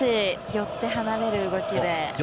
寄って離れる動きで。